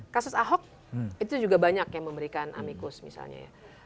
kasus ahok itu juga banyak yang memberikan amikus misalnya ya